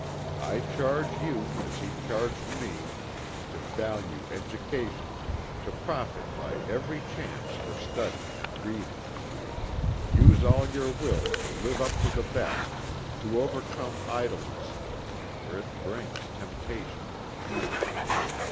" I charge you, as he charged me, to value education, to profit by every chance for study 20 THE " DECK HAND." and reading. Use all your will to live up to the best to overcome idleness, for it brings temptation and evil.